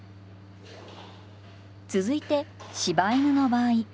続いて柴犬の場合。